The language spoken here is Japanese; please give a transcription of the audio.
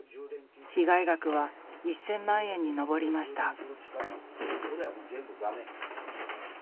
被害額は１，０００万円に上りました。